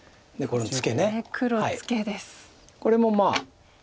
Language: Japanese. これもまあ